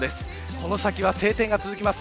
この先は晴天が続きます。